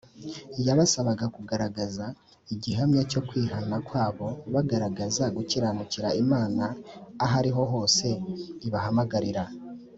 Yabasabaga kugaragaza igihamya cyo kwihana kwabo bagaragaza gukiranukira Imana aho ariho hose ibahamagarira.